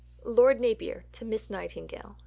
(_Lord Napier to Miss Nightingale.